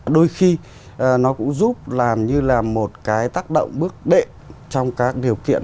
đôi khi nó cũng giúp làm như là một cái tác động bước đệ trong các điều kiện